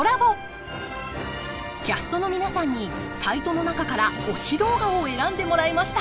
キャストの皆さんにサイトの中から推し動画を選んでもらいました。